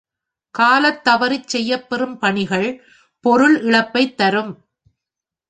காலத் தவறிச் செய்யப் பெறும் பணிகள் பொருள் இழப்பைத் தரும்.